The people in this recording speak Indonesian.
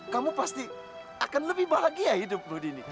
kamu pasti akan lebih bahagia hidup dini